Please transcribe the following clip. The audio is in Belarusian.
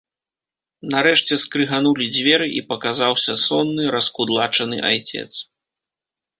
Нарэшце скрыганулі дзверы і паказаўся сонны, раскудлачаны айцец.